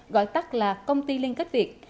gọi tắt là công ty liên kết việt